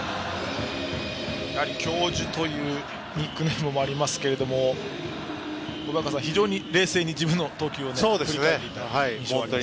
教授というニックネームもありますけど小早川さん、非常に冷静に自分の投球を振り返っていましたね。